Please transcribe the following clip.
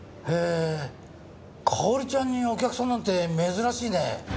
へえ香織ちゃんにお客さんなんて珍しいね。